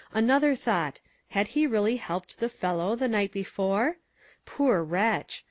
Another thought — had he really helped the fellow the night before? Poor wretch